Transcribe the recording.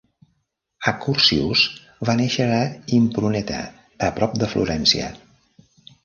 Accursius va néixer a Impruneta, a prop de Florència.